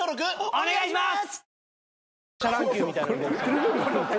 お願いします！